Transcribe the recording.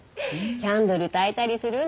キャンドルたいたりするんでしょ？